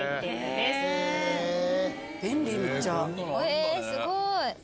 えすごい。